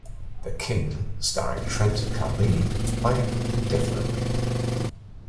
The King Starring Trent Carlini, playing indefinitely.